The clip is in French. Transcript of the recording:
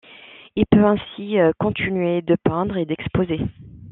Il peut ainsi continuer de peindre et d'exposer.